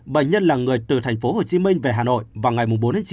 bệnh nhân là người từ thành phố hồ chí minh về hà nội vào ngày bốn chín